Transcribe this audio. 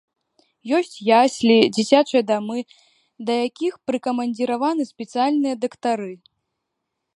Ёсць яслі, дзіцячыя дамы, да якіх прыкамандзіраваны спецыяльныя дактары.